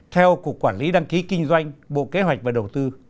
theo cục quản lý đăng ký kinh doanh bộ kế hoạch và đầu tư